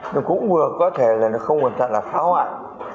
nhưng cũng vừa có thể là không hoàn toàn là phá hoại